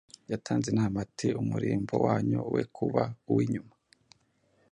yatanze inama ati, “Umurimbo wanyu we kuba uw’inyuma